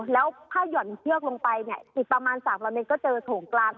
แล้วถ้าหย่อนเชือกลงไปอีกประมาณ๓รับนิดก็เจอโถงกลาง